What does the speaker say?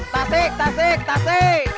tasik tasik tasik